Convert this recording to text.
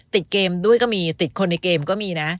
ติดเกมด้วยก็มีติดคนในเกมก็มีนะ